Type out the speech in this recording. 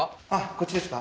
こっちですか？